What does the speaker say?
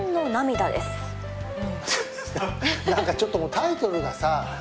なんかちょっとタイトルがさ。